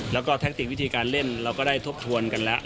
แล้วก็แทคติกวิธีการเล่นเราก็ได้ทบทวนกันแล้ว